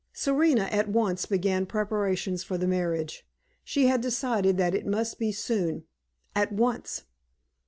Serena at once began preparations for the marriage. She had decided that it must be soon at once.